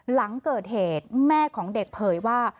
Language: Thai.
หลังเกิดเหตุแม่ของเด็กเผยว่า